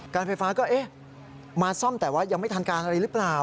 การไฟฟ้าก็เอ๊ะมาซ่อมแต่ว่ายังไม่ทันการอะไรหรือเปล่า